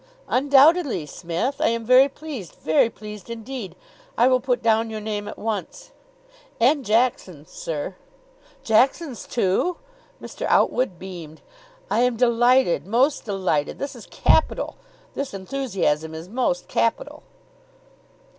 "Undoubtedly, Smith. I am very pleased, very pleased indeed. I will put down your name at once." "And Jackson's, sir." "Jackson, too!" Mr. Outwood beamed. "I am delighted. Most delighted. This is capital. This enthusiasm is most capital."